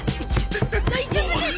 大丈夫ですか！